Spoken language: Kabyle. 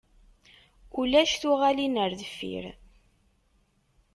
Ulac tuɣalin ar deffir.